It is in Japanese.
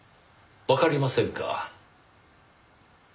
わかりませんか。